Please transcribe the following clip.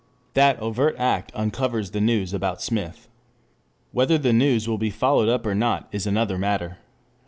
That overt act "uncovers" the news about Smith. Whether the news will be followed up or not is another matter.